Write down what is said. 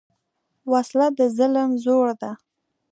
وسله د ظلم زور ده